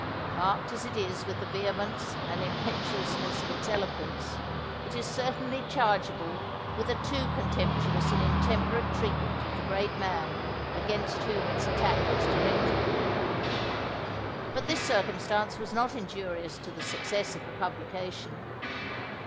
Marked as it is with the vehemence and impetuousness of its eloquence, it is certainly chargeable with a too contemptuous and intemperate treatment of the great man against whom its attack is directed. But this circumstance was not injurious to the success of the publication.